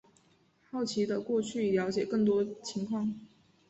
好奇的过去了解更多情况